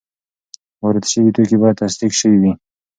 وارد شوي توکي باید تصدیق شوي وي.